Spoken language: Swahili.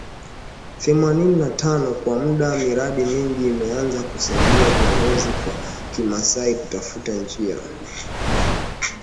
Themanini na tano Kwa muda miradi mingi imeanza kusaidia viongozi wa Kimasai kutafuta njia